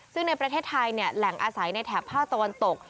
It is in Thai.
ซึ่งในประเทศไทยแหล่งอาศัยในแถบภาคตะวันตก